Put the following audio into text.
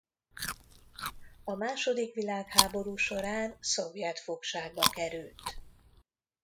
A második világháború során szovjet fogságba került.